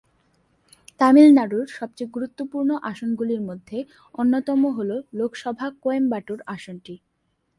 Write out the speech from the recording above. তামিলনাড়ুর সবচেয়ে গুরুত্বপূর্ণ আসনগুলির মধ্যে অন্যতম হল লোকসভা কোয়েম্বাটুর আসনটি।